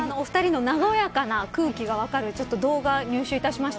そんなお二人の和やかな空気が分かる動画を入手いたしました。